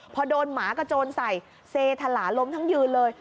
พอโดนหมากระโจนใส่เซทลาล้มทั้งยืนเลย